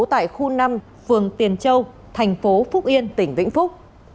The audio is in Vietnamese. tại khu năm phường tiền châu tp phúc yên tỉnh vĩnh phúc